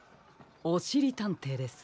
おしりたんていです。